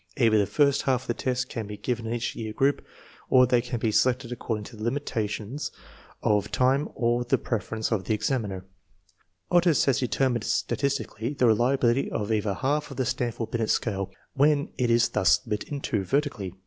Either the first half of the tests can be given in each year group, or they can be selected according to the limitations of 308 INTELLIGENCE OF SCHOOL CHILDREN time or the preference of the examiner. Otis 1 has de termined statistically the reliability of either half of the Stanford Binet Scale, when it is thus split in two vertically.